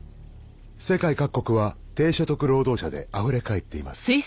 世界各国は低所得労働者であふれかえっています